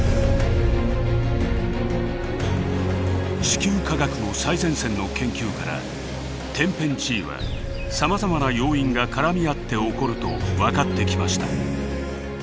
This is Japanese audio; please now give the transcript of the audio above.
地球科学の最前線の研究から天変地異はさまざまな要因が絡み合って起こると分かってきました。